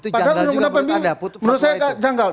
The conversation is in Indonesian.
padahal undang undang pemilu menurut saya janggal